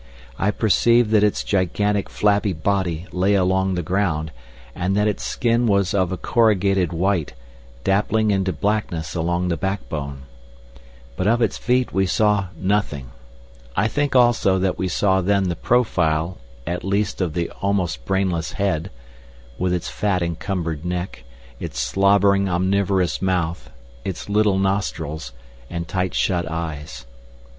I perceived that its gigantic, flabby body lay along the ground, and that its skin was of a corrugated white, dappling into blackness along the backbone. But of its feet we saw nothing. I think also that we saw then the profile at least of the almost brainless head, with its fat encumbered neck, its slobbering omnivorous mouth, its little nostrils, and tight shut eyes.